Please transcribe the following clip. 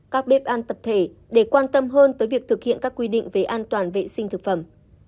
các bếp ăn tập thể để quan tâm hơn tới việc thực hiện các quy định về an toàn vệ sinh thực phẩm